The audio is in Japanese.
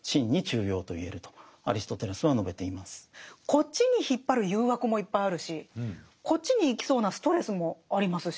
こっちに引っ張る誘惑もいっぱいあるしこっちに行きそうなストレスもありますし。